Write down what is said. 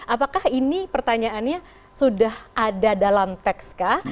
apakah ini pertanyaannya sudah ada dalam teks kah